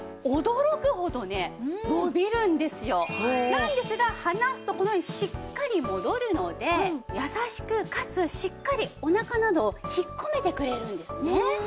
なんですが離すとこのようにしっかり戻るので優しくかつしっかりおなかなどを引っ込めてくれるんですね。